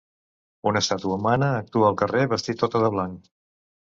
Una estàtua humana actua al carrer vestit tota de blanc.